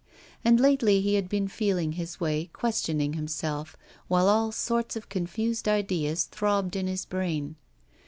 And lately he had been feeling his way, questioning himself while all sorts of confused ideas throbbed in his brain.